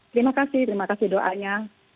terima kasih terima kasih doanya